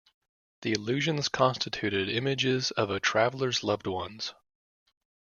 The illusions constituted images of a traveler's loved ones.